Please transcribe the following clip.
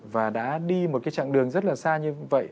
và đã đi một cái chặng đường rất là xa như vậy